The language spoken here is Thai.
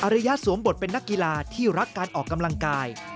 ริยะสวมบทเป็นนักกีฬาที่รักการออกกำลังกาย